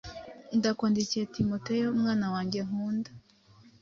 Ndakwandikiye Timoteyo, umwana wanjye nkunda.